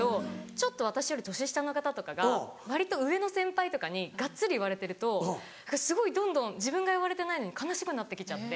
ちょっと私より年下の方とかが割と上の先輩とかにがっつり言われてるとすごいどんどん自分が言われてないのに悲しくなってきちゃって。